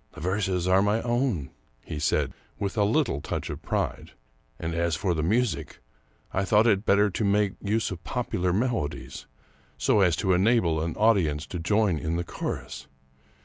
" The verses are my own," he said, with a little touch of pride ;" and as for the music, I thought it better to make use of popular melodies, so as to enable an audience to join in the chorus.